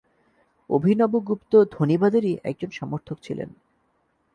অভিনবগুপ্ত ধ্বনিবাদেরই একজন সমর্থক ছিলেন।